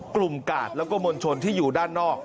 กลุ่มกาทแล้วก็มลชนที่อยู่ด้านนอก